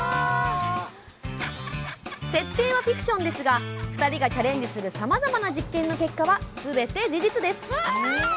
設定はフィクションですが２人がチャレンジするさまざまな実験の結果はすべて事実です。